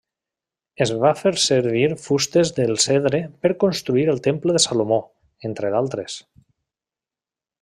Es va fer servir fustes del cedre per construir el temple de Salomó, entre d'altres.